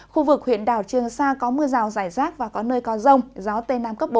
khu vực huyện đảo trường sa có mưa rào rải rác và có nơi có rông gió tây nam cấp bốn